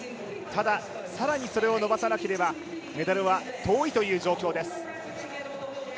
ただそれをさらに伸ばさなければメダルは遠いという状況です。